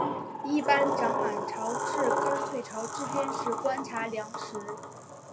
一般涨满潮至刚退潮之间是观察良时。